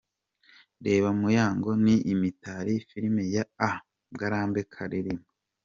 Reba Muyango n’Imitali filimi ya A Ngarambe Karirima:.